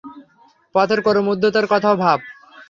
পথের ক্রম-উর্ধ্বতার কথাও ভাব।